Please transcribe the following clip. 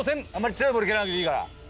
強いボール蹴らなくていいから。